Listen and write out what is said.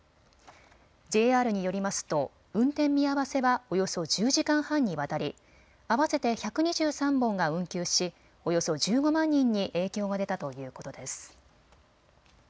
ＪＲによりますと運転見合わせはおよそ１０時間半にわたり合わせて１２３本が運休しおよそ１５万人に影響が出たということです。